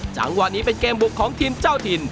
จังหวะนี้เป็นเกมบุกของทีมเจ้าถิ่น